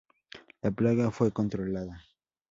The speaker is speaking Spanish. La plaga fue controlada.